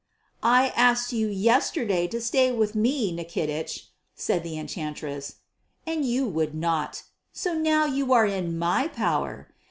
"I asked you yesterday to stay with me, Nikitich," said the enchantress, "and you would not. So now you are in my power.